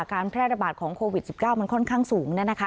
การแพร่ระบาดของโควิด๑๙มันค่อนข้างสูงนะคะ